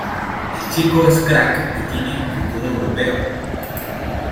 El chico es crack y tiene futuro europeo"".